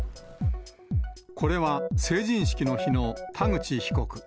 これは、成人式の日の田口被告。